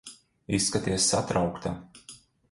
Izskaties satraukta.